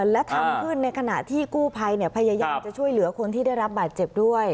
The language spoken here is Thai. และทำขึ้นในขณะที่กู้ภัยพยายามจะช่วยเหลือคนที่ได้รับบาดเจ็บด้วย